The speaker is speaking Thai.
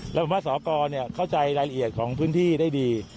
แล้วผมว่าสอกรเข้าใจรายละเอียดของพื้นที่ได้ดี